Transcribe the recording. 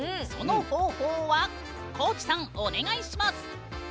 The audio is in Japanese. その方法は、高地さんお願いします！